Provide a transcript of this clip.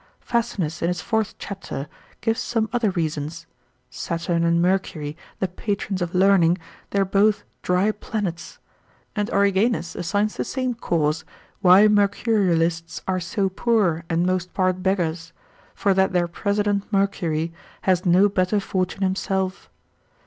Facinus in his fourth chap. gives some other reasons; Saturn and Mercury, the patrons of learning, they are both dry planets: and Origanus assigns the same cause, why Mercurialists are so poor, and most part beggars; for that their president Mercury had no better fortune himself.